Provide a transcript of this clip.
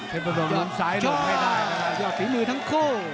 เผ็ดประดมลุ้มซ้ายหล่นไม่ได้นะคะยอดฝีมือทั้งคู่